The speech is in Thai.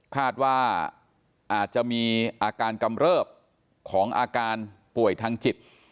คาดว่าอาจจะมีอาการกำเริบของอาการป่วยทางจิต